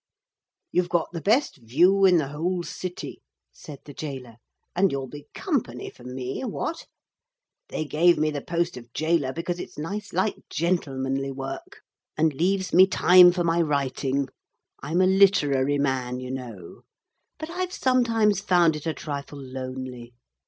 'You've got the best view in the whole city,' said the gaoler, 'and you'll be company for me. What? They gave me the post of gaoler because it's nice, light, gentlemanly work, and leaves me time for my writing. I'm a literary man, you know. But I've sometimes found it a trifle lonely.